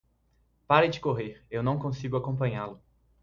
Pare de correr, eu não consigo acompanhá-lo.